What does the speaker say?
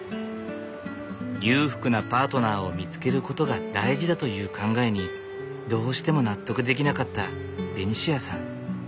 裕福なパートナーを見つけることが大事だという考えにどうしても納得できなかったベニシアさん。